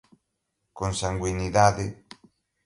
consanguinidade